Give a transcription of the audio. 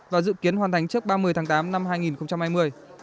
và dự kiến hoàn thành trước ba mươi tháng tám năm hai nghìn hai mươi